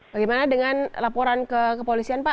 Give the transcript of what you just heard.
bagaimana dengan laporan ke kepolisian pak